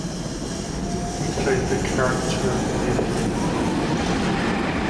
He played the character Nii.